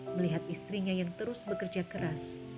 melihat istrinya yang terus bekerja keras